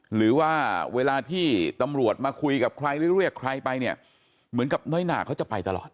หรือว่าเวลาที่ตำรวจมาคุยกับใครหรือเรียกใครไปเนี่ยเหมือนกับน้อยหนาเขาจะไปตลอด